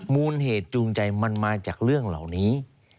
มูลเหตุจูงใจมันมาจากเรื่องเหล่านี้